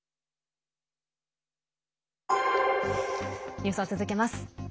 ニュースを続けます。